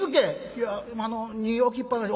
「いやあの荷ぃ置きっ放し」。